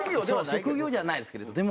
そう職業じゃないですけれど。